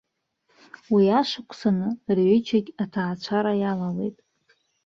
Уи ашықәсан рҩыџьагь аҭаацәара иалалеит.